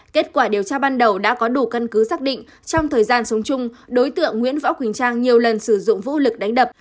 kết quả điều tra ban đầu đã có đủ căn cứ xác định trong thời gian sống chung đối tượng nguyễn võ quỳnh trang nhiều lần sử dụng vũ lực đánh đập